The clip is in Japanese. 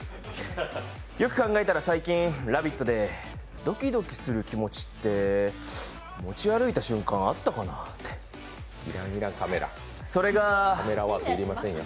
よく考えたら最近、「ラヴィット！」でドキドキする気持ちって持ち歩いた瞬間あったかなってカメラいらんよ。